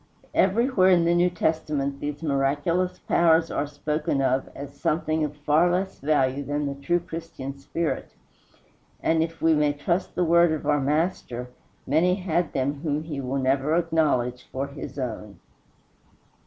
Everywhere in the New Testament these miraculous powers are spoken of as something of far less value than the true Christian spirit, and, if we may trust the word of our Master, many had them whom he will never acknowledge for his own.